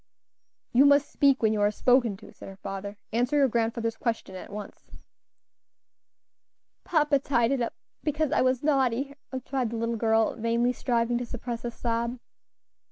"You must speak when you are spoken to," said her father; "answer your grandfather's question at once." "Papa tied it up, because I was naughty," replied the little girl, vainly striving to suppress a sob.